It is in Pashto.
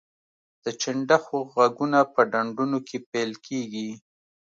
د چنډخو غږونه په ډنډونو کې پیل کیږي